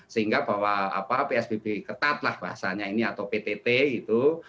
sehingga bahwa psbb ketat lah bahasanya ini atau ptt gitu